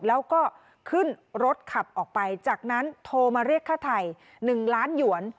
แล้วก็ขึ้นรถขับออกไปจากนั้นโทรมาเรียกค่าไทย๑ล้านหยวน